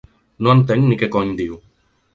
No entenc ni què cony diu.